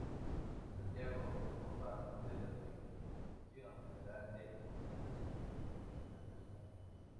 En Santiago, formó parte de la Dirección General de Relaciones Económicas Internacionales.